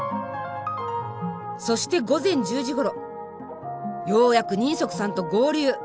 そして午前１０時ごろようやく人足さんと合流。